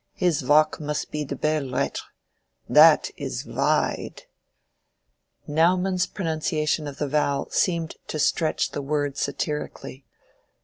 His walk must be belles lettres. That is wi ide." Naumann's pronunciation of the vowel seemed to stretch the word satirically.